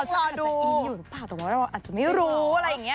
อาจจะอีอยู่หรือเปล่าอาจจะไม่รู้อะไรอย่างเงี้ย